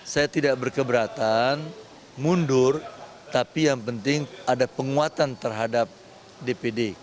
saya tidak berkeberatan mundur tapi yang penting ada penguatan terhadap dpd